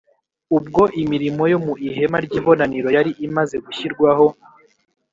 Ubwo imirimo yo mu ihema ry’ibonaniro yari imaze gushyirwaho